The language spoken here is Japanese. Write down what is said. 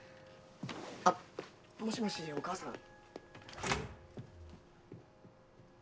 あっもしもしお母さん？